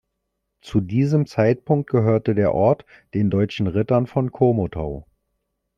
Zu diesem Zeitpunkt gehörte der Ort den deutschen Rittern von Komotau.